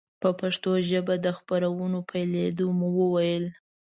په پښتو ژبه د خپرونو پیلېدو مو وویل.